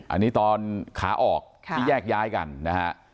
อันนี้ตอนขาออกที่แยกย้ายกันนะฮะ